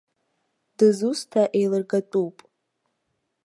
Дызусҭа еилыргатәуп?!